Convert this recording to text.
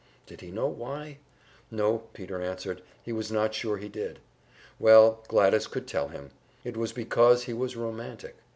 Did he know why? No, Peter answered, he was not sure he did. Well, Gladys could tell him; it was because he was romantic.